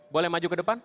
boleh maju ke depan